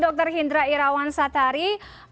dokter hindra irawan satari